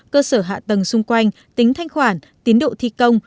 cơ sở hạ tầng xung quanh tính thanh khoản tiến độ thi công